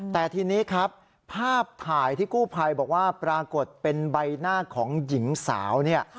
แต่ทีนี้ครับภาพถ่ายที่กู้ภัยบอกว่าปรากฏเป็นใบหน้าของหญิงสาวเนี่ย